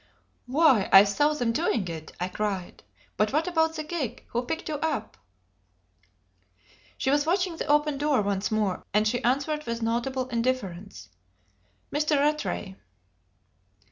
"Why, I saw them doing it!" I cried. "But what about the gig? Who picked you up?" She was watching that open door once more, and she answered with notable indifference, "Mr. Rattray."